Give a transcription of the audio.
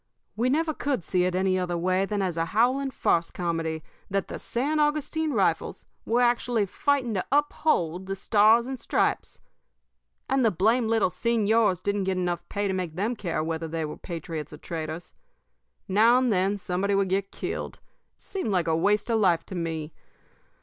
We never could see it any other way than as a howling farce comedy that the San Augustine Rifles were actually fighting to uphold the Stars and Stripes. And the blamed little señors didn't get enough pay to make them care whether they were patriots or traitors. Now and then somebody would get killed. It seemed like a waste of life to me.